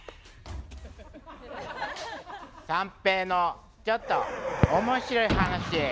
三瓶のちょっと面白い話。